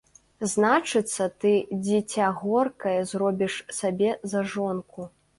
Значыцца, ты дзіця горкае зробіш сабе за жонку.